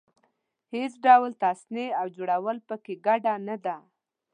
هېڅ ډول تصنع او جوړول په کې ګډه نه ده.